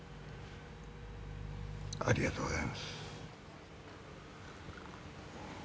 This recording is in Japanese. ありがとうございます。